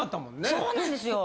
そうなんですよ。